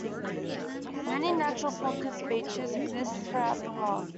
Many natural pocket beaches exist throughout the world.